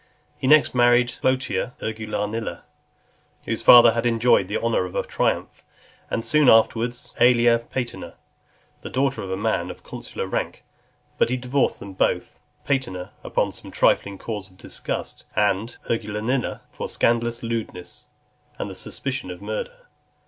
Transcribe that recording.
He next married Plautia Urgulanilla, whose father had enjoyed the honour of a triumph; and soon afterwards, Aelia Paetina, the daughter of a man of consular rank. But he divorced them both; Paetina, upon some trifling causes of disgust; and Urgulanilla, for scandalous lewdness, and the suspicion of murder.